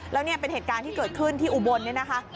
แล้วเนี่ยเป็นเหตุการณ์ที่เกิดขึ้นที่อุบลเนี่ยนะคะ